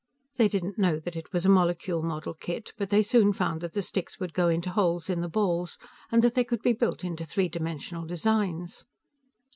They didn't know that it was a molecule model kit, but they soon found that the sticks would go into holes in the balls, and that they could be built into three dimensional designs.